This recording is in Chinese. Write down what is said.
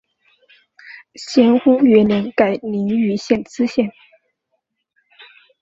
咸丰元年改临榆县知县。